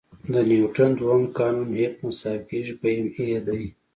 د نیوټن دوهم قانون F=ma دی.